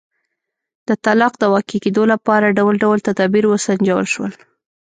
د طلاق د واقع کېدو لپاره ډول ډول تدابیر وسنجول شول.